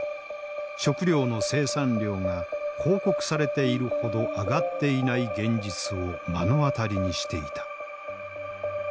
食料の生産量が報告されているほど上がっていない現実を目の当たりにしていた。